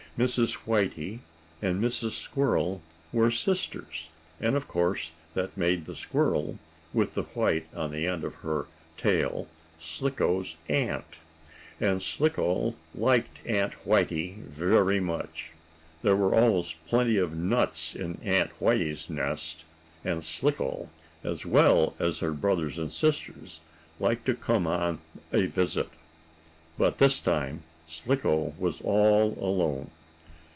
Mrs. Whitey and Mrs. Squirrel were sisters, and of course that made the squirrel, with the white on the end of her tail, Slicko's aunt. And Slicko liked Aunt Whitey very much. There were always plenty of nuts in Aunt Whitey's nest, and Slicko, as well as her brothers and sister, liked to come on a visit. But this time Slicko was all alone.